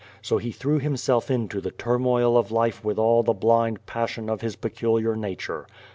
So he threw himself into the turmoil of life with all the blind pas sion of his peculiar nature.